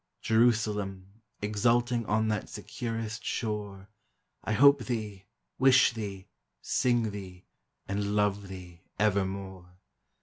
Jerusalem, exulting On that securest shore, 1 hope thee, wish thee, sing thee. And love thee evermore!